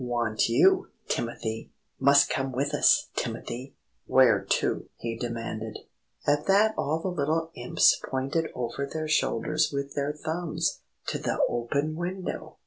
"Want you, Timothy!" "Must come with us, Timothy!" "Where to?" he demanded. At that all the little Imps pointed over their shoulders with their thumbs, to the open window.